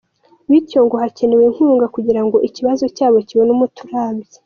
Bityo ngo hakenewe inkunga kugirango ikibazo cyabo kibone umuti urambye.